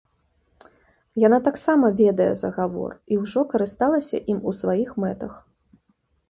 Яна таксама ведае загавор і ўжо карысталася ім у сваіх мэтах.